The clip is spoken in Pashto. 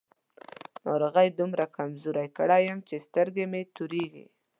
ناروغۍ دومره کمزوری کړی يم چې سترګې مې تورېږي.